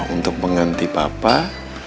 untuk mengganti bapak